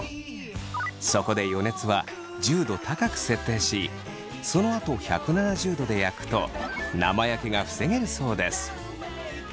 そこで予熱は１０度高く設定しそのあと１７０度で焼くと生焼けが防げるそうです。